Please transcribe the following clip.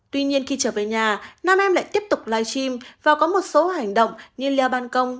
tuy nhiên khi trở về nhà nam em lại tiếp tục live stream và có một số hành động như leo ban công